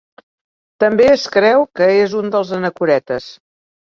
També es creu que és un dels anacoretes.